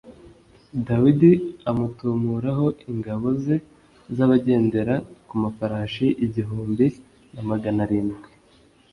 Dawidi amutumuraho ingabo ze z’abagendera ku mafarashi igihumbi na magana arindwi